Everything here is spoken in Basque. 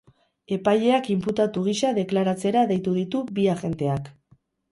Epaileak inputatu gisa deklaratzera deitu ditu bi agenteak.